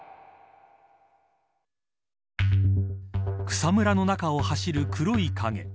草むらの中を走る黒い影。